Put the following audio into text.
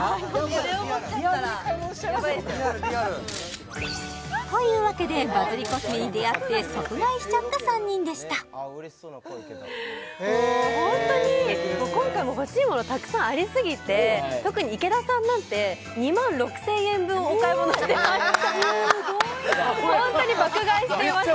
これを持っちゃったらやばいというわけでバズりコスメに出会って即買いしちゃった３人でしたもうホントに今回も欲しいものたくさんありすぎて特に池田さんなんて２万６０００円分お買い物してすごいね！